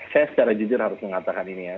saya secara jujur harus mengatakan ini ya